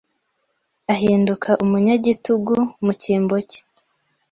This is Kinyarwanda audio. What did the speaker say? Ahinduka umunyagitugu mu cyimbo cye